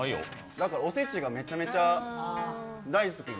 だからおせちがめちゃくちゃ大好きで。